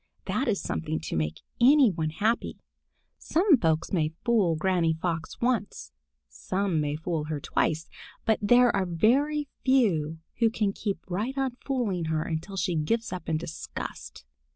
That is something to make any one happy. Some folks may fool Granny Fox once; some may fool her twice; but there are very few who can keep right on fooling her until she gives up in disgust.